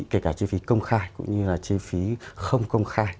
kể cả chi phí công khai cũng như là chi phí không công khai